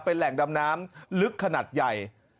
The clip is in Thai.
เป็นแหล่งดำน้ำลึกขนาดใหญ่